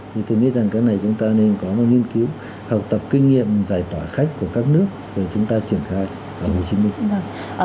thì tôi nghĩ rằng cái này chúng ta nên có một nghiên cứu học tập kinh nghiệm giải tỏa khách của các nước để chúng ta triển khai ở hồ chí minh